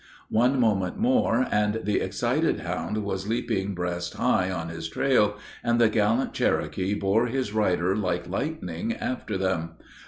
One moment more, and the excited hound was leaping breast high on his trail, and the gallant Cherokee bore his rider like lightning after them.